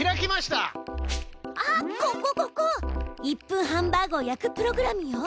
１分ハンバーグを焼くプログラムよ。